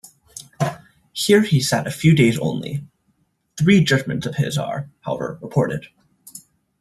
Here he sat a few days only; three judgments of his are, however, reported.